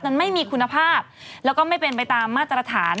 นั้นไม่มีคุณภาพแล้วก็ไม่เป็นไปตามมาตรฐาน